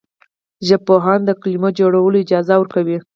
ژبپوهنه د کلمو جوړول اجازه ورکوي.